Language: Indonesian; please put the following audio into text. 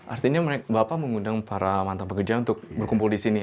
artinya bapak mengundang para mantan pekerja untuk berkumpul di sini